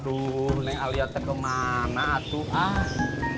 aduh nih alia tekemana tuhan